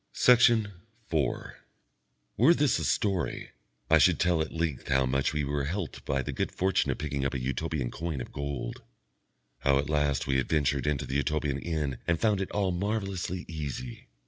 Section 4 Were this a story, I should tell at length how much we were helped by the good fortune of picking up a Utopian coin of gold, how at last we adventured into the Utopian inn and found it all marvellously easy.